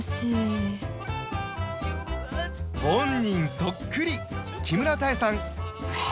そっくり木村多江さん